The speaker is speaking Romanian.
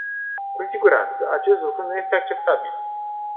Cu siguranță, acest lucru nu este acceptabil.